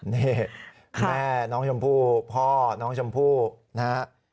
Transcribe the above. นี่แม่น้องชมพู่พ่อน้องชมพู่นะฮะ